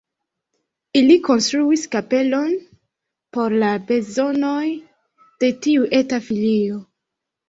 Ili konstruis kapelon por la bezonoj de tiu eta filio.